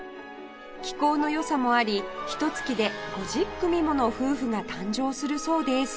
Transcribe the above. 気候の良さもありひと月で５０組もの夫婦が誕生するそうです